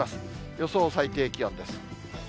予想最低気温です。